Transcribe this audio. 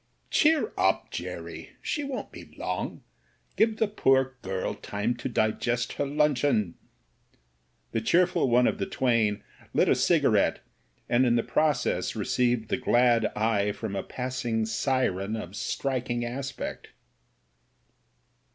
"Cheer up, Jerry ; she won't be long. Give the poor girl time to digest her luncheon." The cheerful one of the twain lit a cigarette ; and in the process received the glad eye from a passing siren of striking aspect.